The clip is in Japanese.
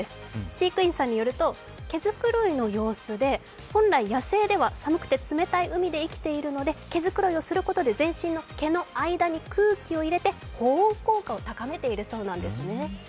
飼育員さんによると、毛繕いの様子で本来、野生では寒くて冷たい海で生きているので、毛づくろいすることで、全身の毛の間に空気を入れて保温効果を高めているそうなんですね。